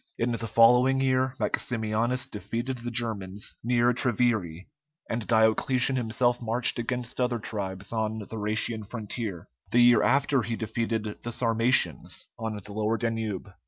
In the following year Maximianus defeated the Germans near Treviri, and Diocletian himself marched against other tribes on the Rhætian frontier; the year after he defeated the Sarmatians on the lower Danube.